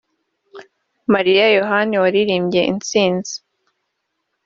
Mariya Yohana (waririmbye intsinzi)